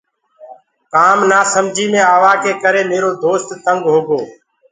ڪآم نآسمجي مي آوآ ڪي ڪري ميرو دو تينگ هوگو۔